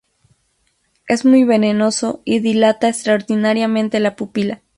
Es muy venenoso y dilata extraordinariamente la pupila.